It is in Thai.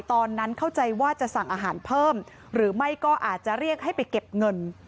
เข้าใจว่าจะสั่งอาหารเพิ่มหรือไม่ก็อาจจะเรียกให้ไปเก็บเงิน